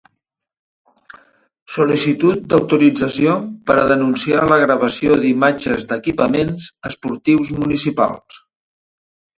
Sol·licitud d'autorització per a denunciar la gravació d'imatges d'equipaments esportius municipals.